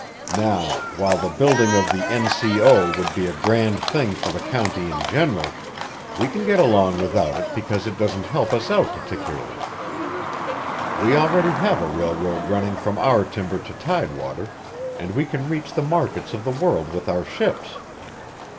Now, while the building of the N.C.O. would be a grand thing for the county in general, we can get along without it because it doesn't help us out particularly. We already have a railroad running from our timber to tidewater, and we can reach the markets of the world with our ships."